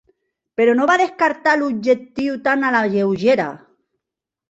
Però no va descartar l'objectiu tan a la lleugera.